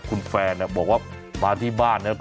คุณแฟนบอกว่ามาที่บ้านนะ